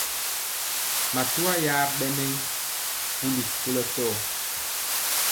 Matwa ya ɓɛ ge nɛ puli kolɔ tɔɔ.